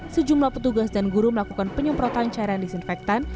sejumlah petugas dan guru melakukan penyemprotan cairan disinfektan